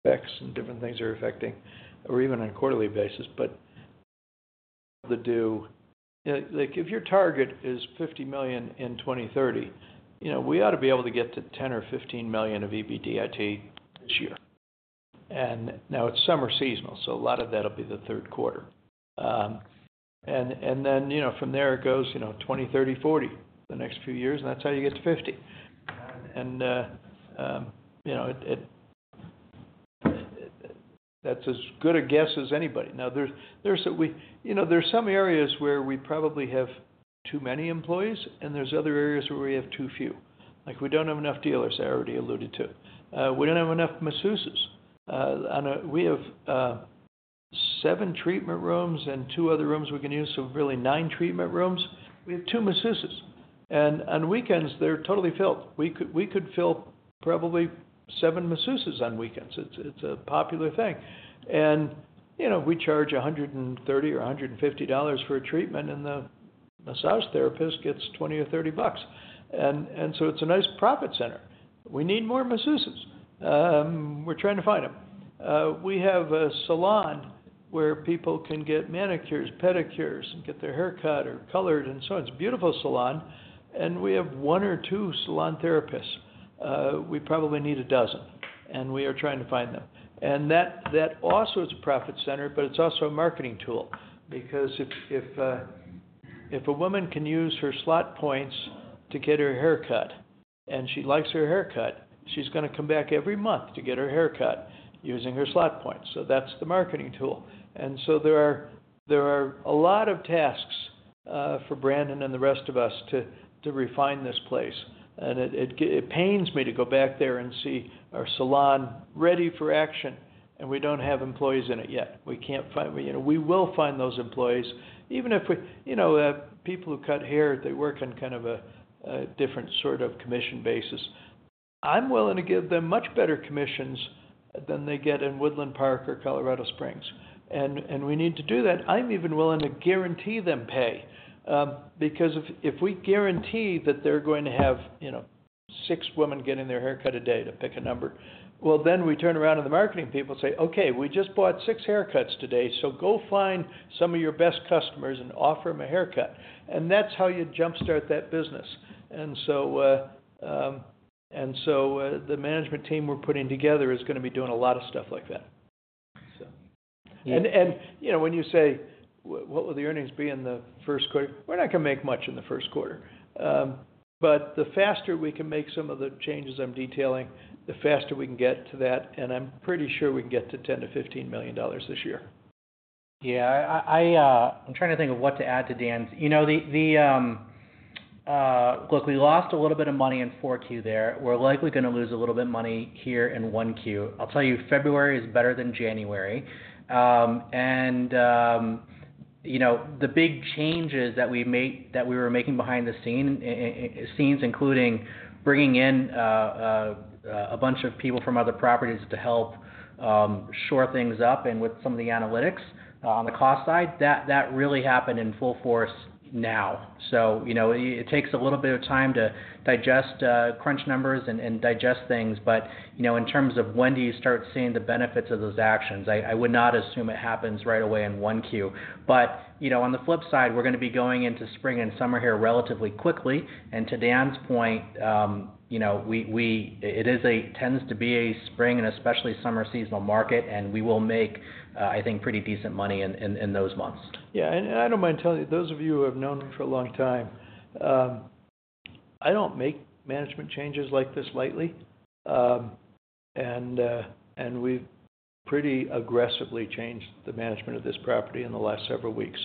basis and different things are affecting, or even on a quarterly basis, but if your target is $50 million in 2030, we ought to be able to get to $10 million or $15 million of EBITDA this year. Now it's summer seasonal, so a lot of that will be the third quarter. From there, it goes $20 million, $30 million, $40 million the next few years, and that's how you get to $50 million. That's as good a guess as anybody. There are some areas where we probably have too many employees, and there are other areas where we have too few. We don't have enough dealers, I already alluded to. We don't have enough masseuses. We have seven treatment rooms and two other rooms we can use, so really nine treatment rooms. We have two masseuses. On weekends, they're totally filled. We could fill probably seven masseuses on weekends. It's a popular thing. We charge $130 or $150 for a treatment, and the massage therapist gets $20 or $30. It's a nice profit center. We need more masseuses. We're trying to find them. We have a salon where people can get manicures, pedicures, and get their hair cut or colored. It's a beautiful salon. We have one or two salon therapists. We probably need a dozen, and we are trying to find them. That also is a profit center, but it's also a marketing tool because if a woman can use her slot points to get her hair cut and she likes her hair cut, she's going to come back every month to get her hair cut using her slot points. That's the marketing tool. There are a lot of tasks for Brandon and the rest of us to refine this place. It pains me to go back there and see our salon ready for action, and we do not have employees in it yet. We cannot find, we will find those employees, even if people who cut hair, they work on kind of a different sort of commission basis. I am willing to give them much better commissions than they get in Woodland Park or Colorado Springs. We need to do that. I am even willing to guarantee them pay because if we guarantee that they are going to have six women getting their hair cut a day, to pick a number, then we turn around to the marketing people and say, "Okay, we just bought six haircuts today, so go find some of your best customers and offer them a haircut. That's how you jump-start that business. The management team we're putting together is going to be doing a lot of stuff like that. When you say, "What will the earnings be in the first quarter?" We're not going to make much in the first quarter. The faster we can make some of the changes I'm detailing, the faster we can get to that. I'm pretty sure we can get to $10 million-$15 million this year. Yeah. I'm trying to think of what to add to Dan's. Look, we lost a little bit of money in Q4 there. We're likely going to lose a little bit of money here in Q1. I'll tell you, February is better than January. The big changes that we were making behind the scenes, including bringing in a bunch of people from other properties to help shore things up and with some of the analytics on the cost side, that really happened in full force now. It takes a little bit of time to digest, crunch numbers, and digest things. In terms of when do you start seeing the benefits of those actions, I would not assume it happens right away in Q1. On the flip side, we're going to be going into spring and summer here relatively quickly. To Dan's point, it tends to be a spring and especially summer seasonal market, and we will make, I think, pretty decent money in those months. Yeah. I do not mind telling you, those of you who have known him for a long time, I do not make management changes like this lightly. We have pretty aggressively changed the management of this property in the last several weeks.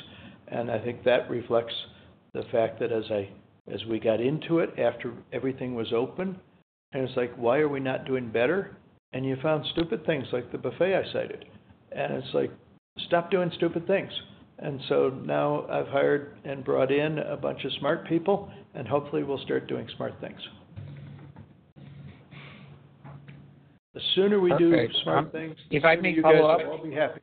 I think that reflects the fact that as we got into it after everything was open, it is like, "Why are we not doing better?" You found stupid things like the buffet I cited. It is like, "Stop doing stupid things." Now I have hired and brought in a bunch of smart people, and hopefully, we will start doing smart things. The sooner we do smart things, the better. If I may follow up. I'll be happy.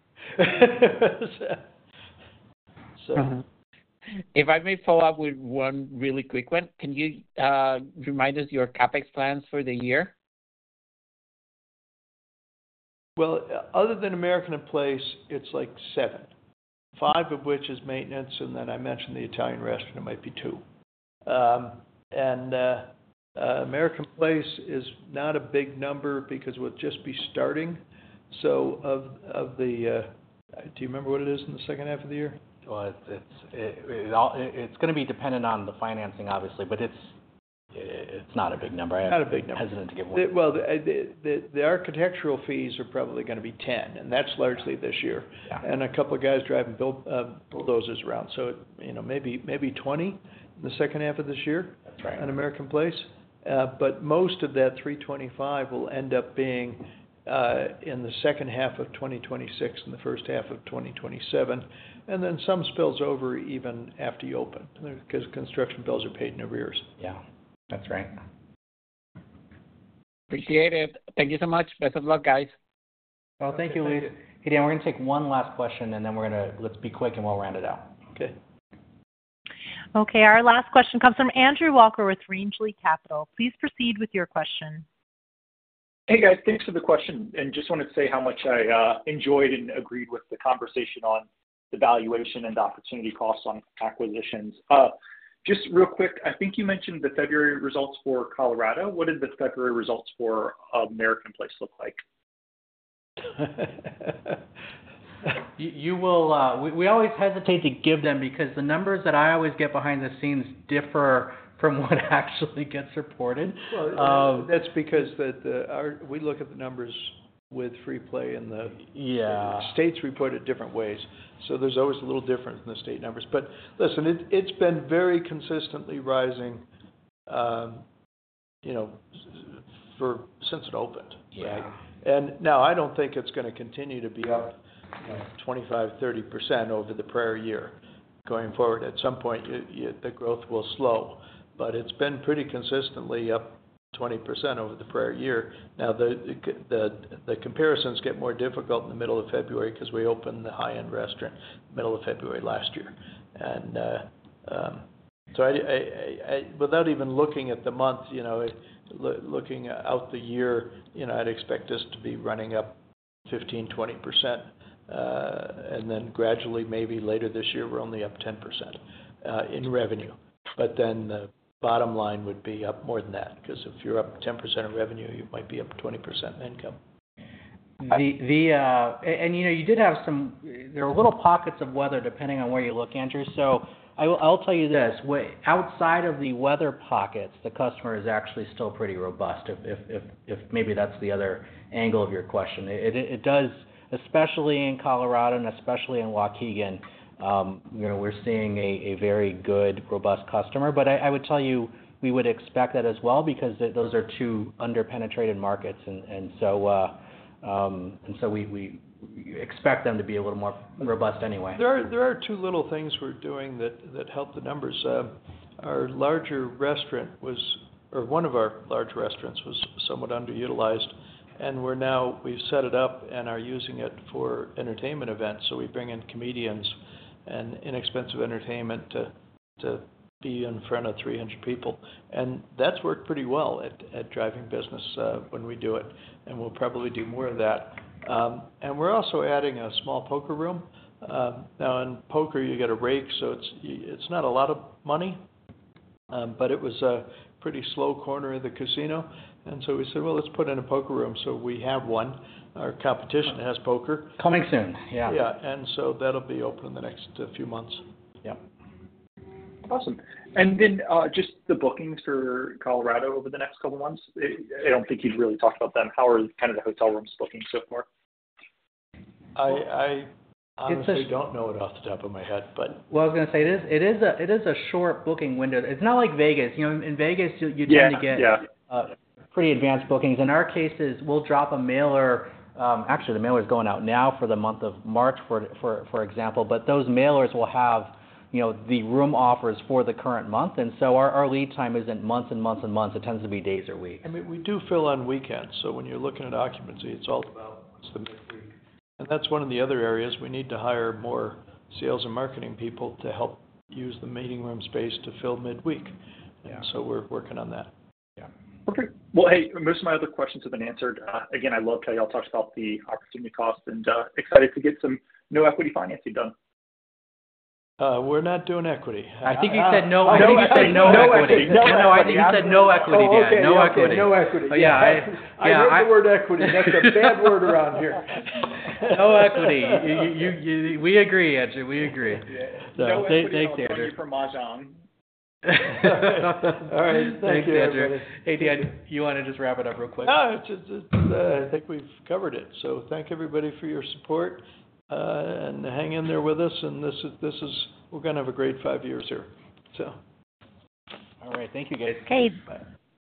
If I may follow up with one really quick one, can you remind us your CapEx plans for the year? Other than American Place, it's like seven, five of which is maintenance. I mentioned the Italian restaurant, it might be two. American Place is not a big number because we'll just be starting. Of the—do you remember what it is in the second half of the year? It's going to be dependent on the financing, obviously, but it's not a big number. It's not a big number. I'm hesitant to give one. The architectural fees are probably going to be 10, and that's largely this year. A couple of guys driving bulldozers around. Maybe 20 in the second half of this year on American Place. Most of that $325 million will end up being in the second half of 2026 and the first half of 2027. Some spills over even after you open because construction bills are paid in arrears. Yeah. That's right. Appreciate it. Thank you so much. Best of luck, guys. Thank you, Lewis. Hey, Dan, we are going to take one last question, and then we are going to—let's be quick and we will round it out. Okay. Okay. Our last question comes from Andrew Walker with Rangeley Capital. Please proceed with your question. Hey, guys. Thanks for the question. I just wanted to say how much I enjoyed and agreed with the conversation on the valuation and the opportunity costs on acquisitions. Just real quick, I think you mentioned the February results for Colorado. What did the February results for American Place look like? We always hesitate to give them because the numbers that I always get behind the scenes differ from what actually gets reported. That's because we look at the numbers with Free Play and the states report it different ways. So there's always a little difference in the state numbers. Listen, it's been very consistently rising since it opened, right? I don't think it's going to continue to be up 25%-30% over the prior year. Going forward, at some point, the growth will slow. It's been pretty consistently up 20% over the prior year. The comparisons get more difficult in the middle of February because we opened the high-end restaurant in the middle of February last year. Without even looking at the month, looking out the year, I'd expect us to be running up 15%-20%. Gradually, maybe later this year, we're only up 10% in revenue. Then the bottom line would be up more than that because if you're up 10% in revenue, you might be up 20% in income. You did have some—there are little pockets of weather depending on where you look, Andrew. I'll tell you this. Outside of the weather pockets, the customer is actually still pretty robust, if maybe that's the other angle of your question. It does, especially in Colorado and especially in Waukegan, we're seeing a very good, robust customer. I would tell you we would expect that as well because those are two under-penetrated markets. We expect them to be a little more robust anyway. There are two little things we're doing that help the numbers. Our larger restaurant was, or one of our large restaurants was somewhat underutilized. We have set it up and are using it for entertainment events. We bring in comedians and inexpensive entertainment to be in front of 300 people. That has worked pretty well at driving business when we do it. We will probably do more of that. We are also adding a small poker room. Now, in poker, you get a rake, so it's not a lot of money. It was a pretty slow corner of the casino. We said, "Let's put in a poker room." We have one. Our competition has poker. Coming soon. Yeah. Yeah. That'll be open in the next few months. Yep. Awesome. Just the bookings for Colorado over the next couple of months, I don't think you've really talked about them. How are kind of the hotel rooms booking so far? I honestly don't know it off the top of my head, but. It is a short booking window. It's not like Vegas. In Vegas, you tend to get pretty advanced bookings. In our cases, we'll drop a mailer—actually, the mailer is going out now for the month of March, for example—but those mailers will have the room offers for the current month. Our lead time isn't months and months and months. It tends to be days or weeks. I mean, we do fill on weekends. When you're looking at occupancy, it's all about what's the midweek. That's one of the other areas. We need to hire more sales and marketing people to help use the meeting room space to fill midweek. We're working on that. Perfect. Hey, most of my other questions have been answered. Again, I love how y'all talked about the opportunity cost and excited to get some new equity financing done. We're not doing equity. I think you said no equity. I think you said no equity. No, I think you said no equity, Dan. No equity. No equity. Yeah. I hate the word equity. That's a bad word around here. No equity. We agree, Andrew. We agree. Thanks, Andrew. Thanks, Andrew. Hey, Dan, you want to just wrap it up real quick? No, I think we've covered it. Thank everybody for your support and hang in there with us. We're going to have a great five years here. All right. Thank you, guys. Okay.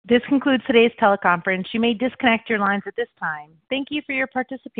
This concludes today's teleconference. You may disconnect your lines at this time. Thank you for your participation.